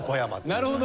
なるほど。